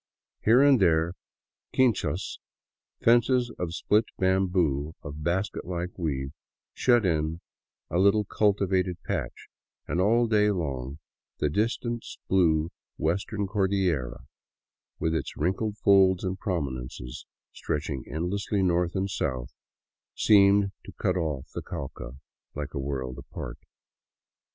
Here and there quinchas, fences of split bamboo of basket like weave, shut in a little cultivated patch ; and all day long the distance blue Western Cordillera, with its wrinkled folds and prominences, stretching end lessly north and south, seemed to cut off the Cauca like a world apart.